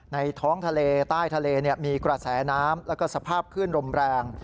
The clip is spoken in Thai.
ในท้องทะเลใต้ทะเลมีกระแสน้ำแล้วก็สภาพขึ้นลมแรง